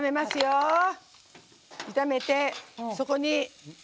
炒めて、そこに。